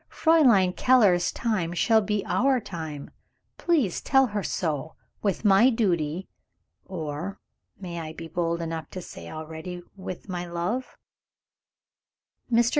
Fraulein Keller's time shall be our time. Please tell her so, with my duty or, may I be bold enough to say already, with my love?"